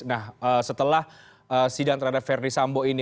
nah setelah sidang terhadap verdi sambo ini